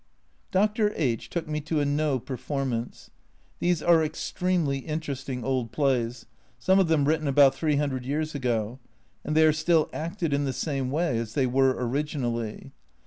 Dr. H took me to a No performance. These are extremely interesting old plays, some of them written about 300 years ago, and they are still acted in the same way as they were originally.